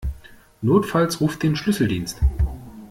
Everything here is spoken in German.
Notfalls ruf den Schlüsseldienst.